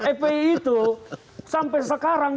fpi itu sampai sekarang